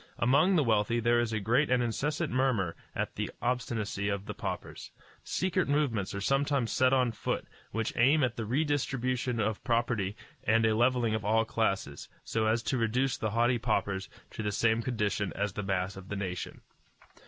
Among the wealthy there is a great and incessant murmur at the obstinacy of the paupers. Secret movements are sometimes set on foot which aim at a redistribution of property and a levelling of all classes, so as to reduce the haughty paupers to the same condition as the mass of the nation.